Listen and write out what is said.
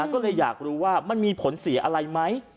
ก็เลยอยากรู้ว่ามันมีผลเสียอะไรไหม